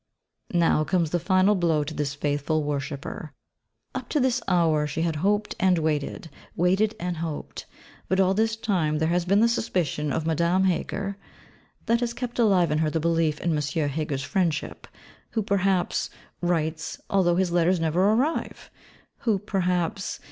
Now comes the final blow to this faithful worshipper. Up to this hour, she has hoped and waited, waited and hoped. But all this time there has been the suspicion of Madame Heger that has kept alive in her the belief in M. Heger's friendship, who (perhaps?) writes, although his letters never arrive: who (perhaps?)